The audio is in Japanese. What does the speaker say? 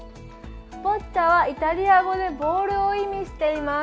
ボッチャはイタリア語でボールを意味しています。